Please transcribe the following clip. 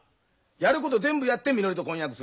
やること全部やってみのりと婚約する。